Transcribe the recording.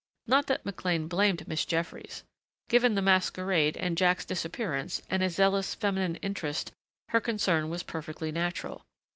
Not that McLean blamed Miss Jeffries. Given the masquerade and Jack's disappearance and a zealous feminine interest her concern was perfectly natural.